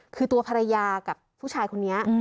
คือตัวภรรยากับผู้ชายคนนี้